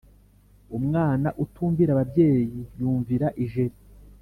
Umwana utumvira ababyeyi yumvira ijeri